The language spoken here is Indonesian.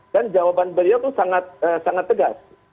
dan jawaban beliau itu sangat tegas